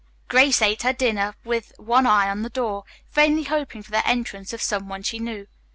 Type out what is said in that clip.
Grace ate her dinner with one eye on the door, vainly hoping for the entrance of some one she knew.